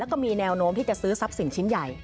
แล้วก็มีแนวโน้มที่จะซื้อทรัพย์สินชิ้นใหญ่